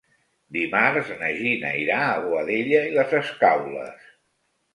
Dimarts na Gina irà a Boadella i les Escaules.